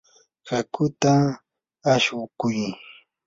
hakuta aqshukuy.